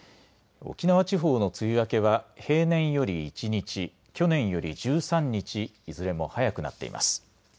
沖縄地方の梅雨明けは平年より１日、去年より１３日、いずれも早くなっています。